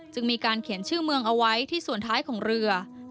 มีการเขียนชื่อเมืองเอาไว้ที่ส่วนท้ายของเรือ